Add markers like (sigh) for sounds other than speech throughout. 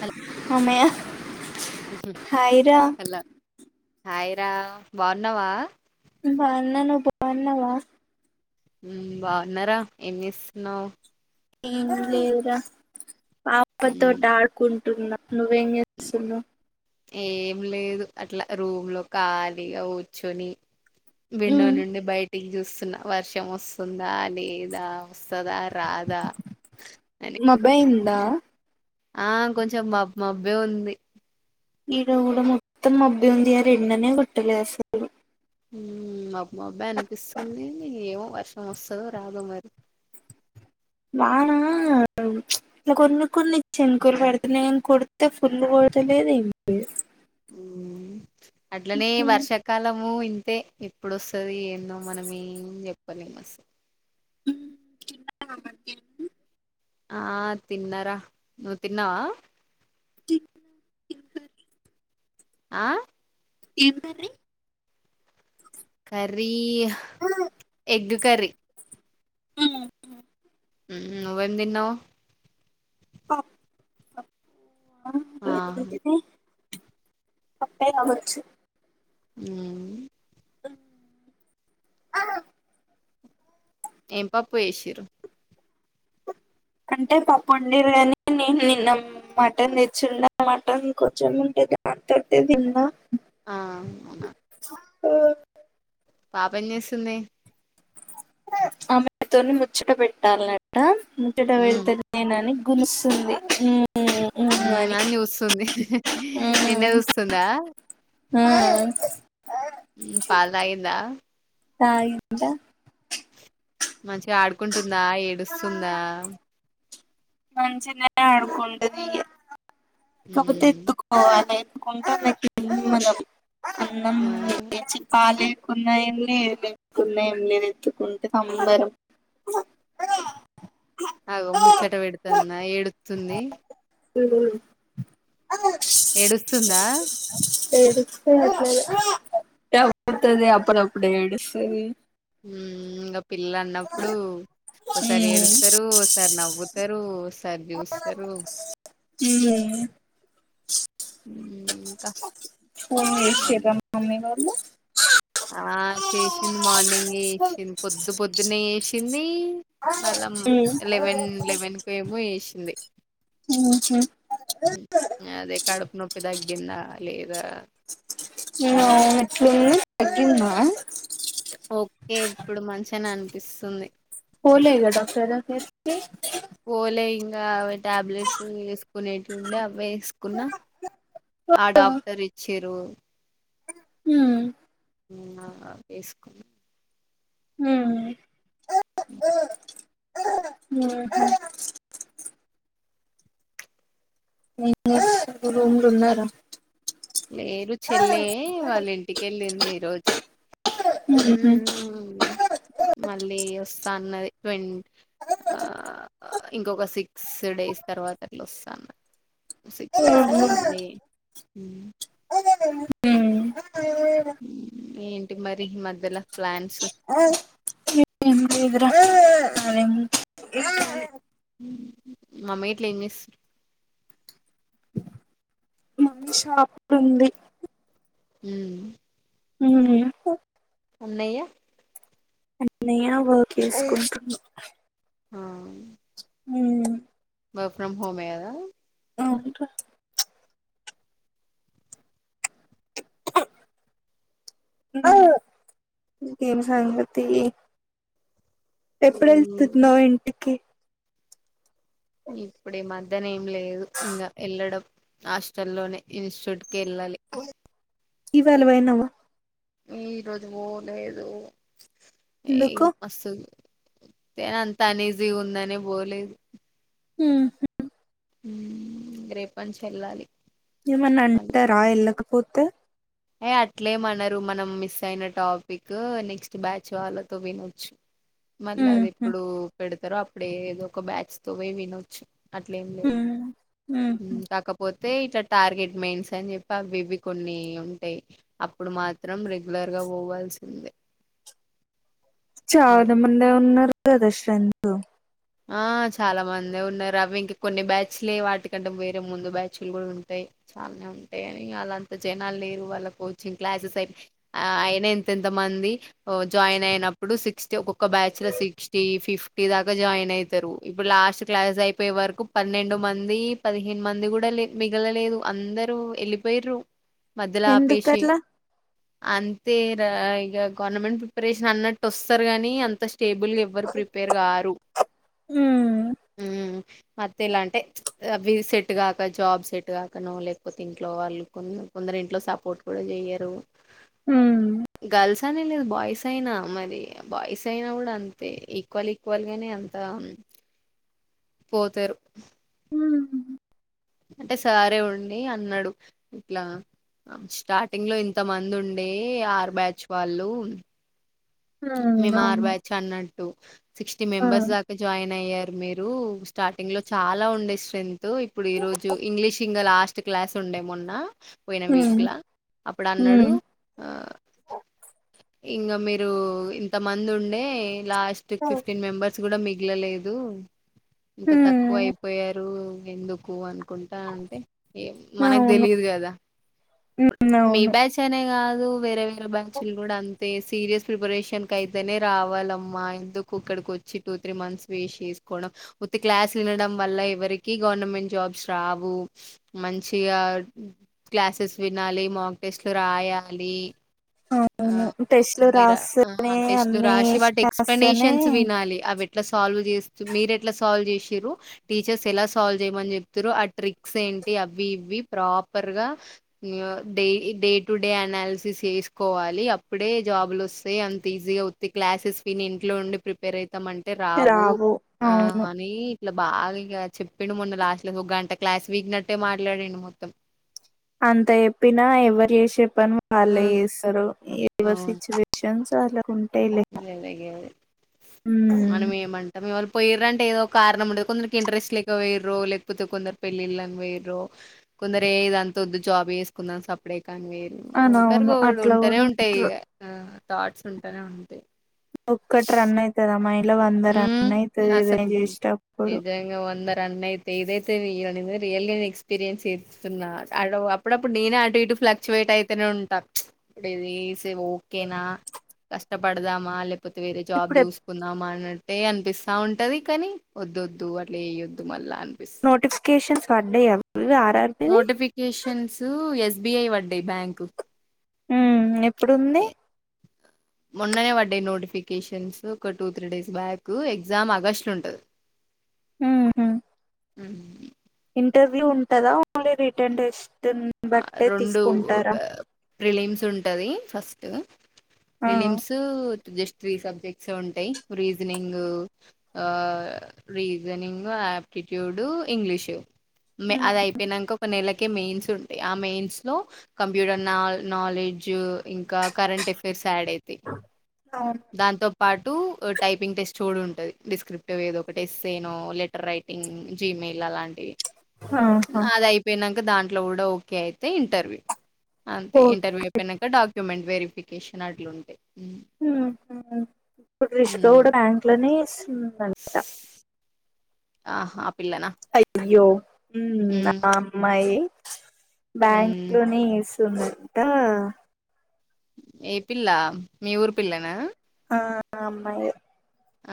Hello మే hello hi రా బాగున్నావా బాగున్నా నువ్వు బాగున్నావా బాగున్నారా ఏం చేస్తున్నావు ఏం లేదురా పాప ఉమ్, తోటి ఆడుకుంట న్నా నువ్వే ఎంసున్నువ్ ఏం లేదు అట్లా రూమ్లో ఖాళీగా కూర్చొని విండో నుండి బయటికి చూస్తున్న వర్షం వస్తుందా లేదా వస్తదా రాధ అని మబ్బై ఉందా ఆ కొంచెం బ మబ్బే ఉంది ఈడ కూడా మొత్తం మబ్బె ఉంది ఆ రెండనే కొట్టలే అసలు మా మబ్ మబ్బే అనిపిస్తుంది ఏమో వర్షం వస్తదో రాదు మరి బనా కొన్ని కొన్ని చినుకులు పడుతున్నాయని కొడితే ఫుల్ కొడతలేదు ఇం అట్లనే వర్షాకాలము ఇంతే ఎప్పుడుస్ వస్తది ఎన్నో మనమేం చెప్పలేం అసల్ మక ఆ తిన్నార నువ్వు తిన్నావా చి ఆ ఏం కర్రీ కర్రీ ఎగ్ కర్రీ ఆ నువ్వెందిన్నావ్ ఆ ఆ పప్పే గావచ్చు ఉ ఆ ఏం పప్పు వేసిరు? అంటే పప్పు వండిరి అని నేను నిన్న మటన్ తెచ్చిండ మటన్ కొంచెం ఉంటేది. దంతోటే తిన్నా అ అవునా ఓ పాప ఎంజేస్తూంది? ఆమెతో ముచ్చట పెట్టాలంట ముచ్చట మ్మ్ పెడితే నేనని గులుస్సుంది ఉమ్ ఊ ఉమ్ అని అన్ని చూస్తుంది హ్హ్ నిన్న చూస్తుందా? హ పాల్ తాగింద? తా ఇందా మంచిగా ఆడుకుంటుందా, ఏడుస్తుందా. మంచింననే ఆడుకుంటది ఇయ్య కపోతే మ్మ్ ఎత్తుకోవాలి. కొంత (unintelligible) అన్నం ఆ ఎచ్చి ప్పాలె ఉన్నయాన్నే వె ఉన్నయాన్నే నేను ఎత్తుకుంటే సంబరం అగో ముచ్చట పెడుతున్న ఏడుతుంది. హ ఏడుస్తుందా? ఎడుతుది అని లేదు ట ఎడుత్తదే అప్పుడు అప్పుడ ఏడుస్తది. ఉమ్ ఇంకా పిల్లలు అన్నప్పుడు ఓసారి ఏడుస్తారు ఓసారి నవ్వు తరు సరి చూస్తారు. హుఆ ఇంకా ఫోన్ చేసి ఉమ్, చేద్దాం అన్ నేను ఆ చేసింది మార్నింగె వేసింది పొద్దు పొద్దునే వేసింది. మళ్ళం లెవెన్ లెవెన్ కు ఏమో వేసింది. ఉహు అదే కడుపు నొప్పి దగ్గిన్న లేద నిమామ ఎట్లుంది తగ్గిందా? ఓకే ఇప్పుడు మంచిని అనిపిస్తుంది. పోలేదా డాక్టర్ దగ్గరికి పోలే ఇంకా అవి టాబ్లెట్స్ వేసుకునేటివి ఉండే అవి వేసుకున్నా ఆ డాక్టర్ ఇచ్చేరు హ ఉన్న వేసుకున్న హ ఆ ఎం చేసు రూమ్లు ఉన్నారా? లేరు చెల్లె వాళ్ళ ఇంటికి వెళ్ళింది ఈ రోజే మళ్ళీ వస్తాన్నది ట్వ ఇంకొక సిక్స్ డేస్ తర్వాత అట్లా వస్తా అన్నది సిక్స్ డేస్ అట్లా ఉహు ఉండి ఏంటి మరి మధ్యల ప్లాన్స్ ఏం లేదురా మామ్మ ఇట్లు ఏం మస్ షాప్లో ఉంది ఉ ఉ అన్నయ్య అన్నయా వర్క్ చేసుకుంటుడు ఆ హ వర్క్ ఫ్రమ్ హోమే కదా అవును రా ఇంకేం సంగతి ఎప్పుడు ఉమ్, వెల్తుతున్నావ్ ఇంటికి ఇప్పుడు ఈ మద్దన ఏం లేదు ఇంకా వెళ్ళడం హాస్టల్లోనే ఇన్స్టిట్యూట్ కెళ్ళాలి ఇవాళ పోయినవా ఈ రోజు పోలేదు ఈ ఎందుకు మస్తు తే అంత అనేజీ ఉందనే పోలేదు ఉహు రేపంచంచి వెళ్ళాలి ఏమన్నా మళ్ళీ అంటారా వెళ్ళకపోతే ఏ అట్లే ఏం అన్నారు మనం మిస్ అయిన టాపిక్ నెక్స్ట్ బ్యాచ్ వాళ్ళతో వినొచ్చు మళ్ళీ ఉమ్, అది ఉమ్, ఎప్పుడు పెడతారో అప్పుడ ఏదో ఒక బ్యాచ్ తో పోయి వినొచ్చు అట్లేం లేదు ఉమ్, ఉమ్, కాకపోతే అయితే ఇట్లా టార్గెట్ మెయిన్స్ అని చెప్పి అవి ఇవి కొన్ని ఉ ఉంటాయా అప్పుడు మాత్రం రెగ్యులర్ గా పోవాల్సిందే అట్లా చాలా మందే ఉన్నారు కదా స్ట్రెంగ్త్ ఆ చాలా మంది ఉన్నారు అవి ఇంకా కొన్ని బ్యాచ్లే వాటికంటే వేరే ముందు బ్యాచ్లు కూడా ఉంటాయి చాలానే ఉంటాయి అని అలా అంత జనాలు లేరు వాళ్ళ కోచింగ్ క్లాసెస్ అయి ఆ అయిన ఎంతెంత మంది జాయిన్ అయినప్పుడు సిక్స్ ఒక్కక్క బ్యాచ్ లోర్ సిక్స్టీ ఫిఫ్టీ దాకా జాయిన్ అవుతారు ఇప్పుడు లాస్ట్ క్లాస్ అయిపోయే వరకు పన్నెండు మంది పదిహేను మంది కూడా లే మిలలే లేదు అందరూ వెళ్ళిపోర్రు మధ్యలో ఆపేసి ఎందుకట్లా అంతే రా ఇక గవర్నమెంట్ ప్రిపరేషన్ అన్నట్టు వస్తారు గాని అంత టేబుల్ గా ఎవ్వరు ప్రిపేర్ కారు ఉ మధ్యల అంటే అవి సెట్గాక జాబ్ సెట్ కాకనో లేకపోతే ఇంట్లో వాళ్ళు కొందరు ఇంట్లో సపోర్ట్ కూడా చెయ్యరు ఉమ్, గర్ల్స్ అని లేదు బాయ్స్ అయినా మరి బాయ్స్ అయినా కూడా అంతే ఈక్వల్ ఈక్వల్ గానే అంతే ఆ పోతారు ఉమ్, అంటే సారే ఉండి అన్నాడు ఇట్లా స్టార్టింగ్ లో ఇంత మంది ఉండే ఆరు బ్యాచ్ వాళ్ళు మేము ఆరు అవును బ్యాచ్ అన్న సిక్స్టీ ఆ మెంబర్స్ దాకా జాయిన్ అయ్యారు మీరు స్టార్టింగ్ లో చాలా ఉండే స్ట్రెంత్. ఇప్పుడు ఈరోజు ఇంగ్లీష్ ఇంగ లాస్ట్ క్లాస్ ఉండే మొన్న పోయిన ఉమ్ వీక్ లా అప్పుడు అన్నడు ఉమ్ ఆ ఇంగ మీరు ఇంత మంది ఉండే లాస్ట్ ఫిఫ్టీన్ మెంబర్స్ కూడా మిగిలలేదు ఇంత తక్కువ ఉమ్, అయిపోయారు ఎందుకు నుకుంటా అంటే ఏ మనకు అవును తెలిదు గదా ఉమ్ మీ అవును బ్యాచ్ అనే కాదు. వేరే వేరే బ్యాచ్లు కూడా అంతే సీరియస్ ప్రిపరేషన్ అయితేనే రావాలమ్మా ఎందుకు ఇక్కడికి వచ్చి టూ త్రీ మంత్స్ వేస్ట్ చేసుకోవడం ఉత్త క్లాస్ వినడం వల్ల ఎవరికి గవర్నమెంట్ జాబ్స్ రావు మంచిగా క్లాసెస్ వినాలి మాక్ టెస్ట్లు రాయాలి. ఆ! అవును టెస్ట్ లు అన్ని రా రాస్తే ఆ టెస్ట్లు రాసి వాటి ఎక్స్ప్లెనేషన్స్ వినాలి. అవి ఎట్లా సాల్వ్ చేస్త మీరు ఎట్లా సాల్వ్ చేశిరు టీచర్స్ ఎలా సాల్వ్ చేయమని చెప్తరు ఆ ట్రిక్స్. ఏంటి అవి ఇవి ప్రాపర్ గా డే టు డే అనాలసిస్ చేస్ కోవాలి అప్పుడే జాబ్లు వస్తాయి అంత ఈజీగా ఉత్తి క్లాసెస్ విని ఇంట్లో ఉండి ప్రిపేర్ ఐతం అంటే రావు ఆ అని ఇట్లా బాగా ఇంగ చెప్పిండు మొన్న లాస్ట్ లో ఒక గంట క్లాస్ వీక్ నట్టే మాట్లాడిండు మొత్తం అంత చెప్పినా ఎవరు చేసే పని ఆ! వాళ్ళే చేస్తరు. ఎవరు సిచ్యువేషన్ షన్ వాళ్లకుం గాదె గదే మన ఉమ్ మేమంటామో పోయిర్ అంటే ఏదో కారణం ఉండదు కొందరికి ఇంట్రెస్ట్ లేక పోయిరో లేకపోతే కొందరు పెళ్ళిళ్ళని పోయిరో కొందరు ఏ ఇదంతా వద్దు జాబ్ చేసుకుందాం సపరే కాని వేరు అవును ఒకరు అవును ఓటి అట్లా ఉంటనే కూడా ఉంటాయి ఉంట్రు ఇ థాట్స్ ఉంటనే ఉంటాయి. ఒక్కట్ రన్ అయితదమ్మాయ్ ఉమ్ అసల్ చేసేటప్పుడు నిజంగా వందరన్నైతే రియల్లీ నేను ఎక్స్పీరియన్స్ చేత్తున్నా అడ్ అప్పుడప్పుడు నేనే అటు ఇటు ఫ్లక్చువేట్ అయి ఉంటా ఇది చేసేది ఓకేనా కష్టపడాదామా లే వేరే జాబ్ ఇప్పుడు చూసుకుంద మన అట్టే అనిపిస్తా ఉంటది కాని ఒద్దు ఒద్దు అట్లా చేయద్దు మళ్ళా అనిపిస్తుంది నోటిఫికేషన్స్ పడ్డయా నోటిఫికేషన్స్ ఎస్ బి ఐ పడ్డాయి బ్యాంకు ఉమ్ ఎప్పుడుంది అ (inaudible) మొన్ననే పడ్డయి నోటిఫికేషన్స్ ఒక two three days back exam August ఉంటది. (inaudible) ఉహు ఉ ఇంటర్వ్యూ ఉంటదా ఓన్లీ రిటర్న్ టెస్ట్ బట్టే రెండు తీసుకుంటారా ప్రిలిమ్స్ ఉంటది ఫస్ట్ ఆ రిలీమ్స్ జస్ట్ త్రీ సబ్జెక్ట్స్ ఏ ఉంటాయి రీజనింగ్ ఆ రీజనింగ్ ఆ టిట్యూడ్ ఇంగ్లీషు అది అయిపోయినంక ఒక నెలకే మెయిన్స్ ఆ మెయిన్స్ లో కంప్యూటర్ నా నాలెడ్జ్ ఇంకా కరెంట్ ఎఫైర్స్ ఉంటాయి. ఆడ్ అయితే అవును. దాంతో పాటు టైపింగ్ టెస్ట్ చ ఉంటది డిస్క్రిప్ట్ ఏదో ఒక టెస్ట్ ఏనో లెటర్ రైటింగ్ జిమ్ అలాంటివి ఆహా అది అయిపోయినాక దాంట్లో కూడా ఓకే అయితే ఇంటర్వ్యూ అంతే ఓ ఇంటర్వ్యూ అయిపోయినాక డాక్యుమెంట్ వెరిఫికేషన్ అట్లుండీ ఉమ్, ఇప్పుడు రిష్గా కూడా బ్యాంకులోనే ఇస్తునట ఆహా అప్ అయ్యో ఉమ్మ్ ఉమ్ ఆ అమ్మాయి బ్యాంక్ ఉమ్ లోనే చేస్తుందంట ఏ పిల్లా మీ ఊరు పిల్లనా ఆహ్ ఆ అమ్మాయి ఆ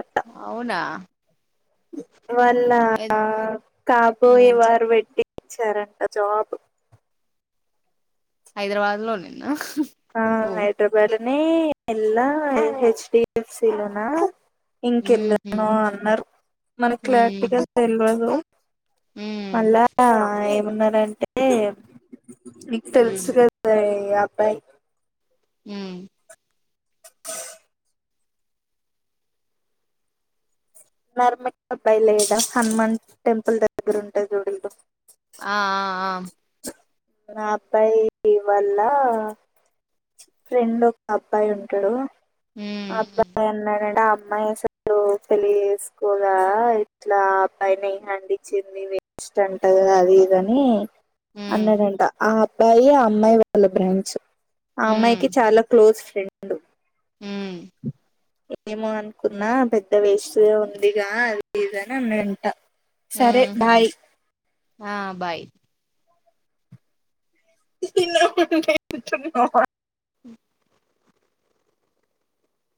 అట్ట అవునా వాళ్ళ ఎ- ఆ కాబోయే వారు పెట్టి ఇచ్చారంట జాబ్ హైదరాబాద్ లోనే ఆ హైదరాబాద్నే ఎలా హచ్ డిఫ్ సి లోనా ఇంకెళ్ళాను ఉమ్ అన్నారు మనకి క్లారిటీగా తెల్వదు ఉమ్ మళ్ళా ఏమున్నారంటే నీకు తెలుసు ఉమ్ కదా అబ్బాయి ఉమ్ నర్మ పైలేద హనుమాన్ టెంపుల్ దగ్గర ఉంటే చూడూ ఇంకో ఆ ఆ ఆ ఆ అబ్బాయి వల్ల ఫ్రెండ్ ఒక అబ్బాయి ఉంటాడు ఆ అబ్బాయి ఉమ్ అన్నాడంటే ఆ అమ్మాయి అసలు పెళ్లి చేసుకోదా ఇట్లా పైన ఏ హండ్ ఇచ్చింది వేస్ట్ అంటగా అది ఇది అని ఉమ్ అన్నాడంట ఆ అబ్బాయి ఆ అమ్మాయి వాళ్ళ బ్రాంచ్ ఆ అమ్మాయికి ఉమ్ చాలా క్లోజ్ ఫ్రెండ్స్ ఉమ్ ఏమో అనుకున్నా పెద్ద వేస్ట్ ఉందిగా అది ఇది అన్ని అన్నాడంట సరే అహు బాయ్ ఆ బాయ్ (unintelligible) ఉ